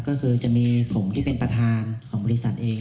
ก็คือจะมีผมที่เป็นประธานของบริษัทเอง